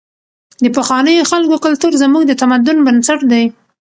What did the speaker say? د پخوانیو خلکو کلتور زموږ د تمدن بنسټ دی.